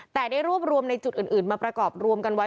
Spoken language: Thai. แต่ได้รวบรวมในจุดอื่นมาประกอบรวมกันไว้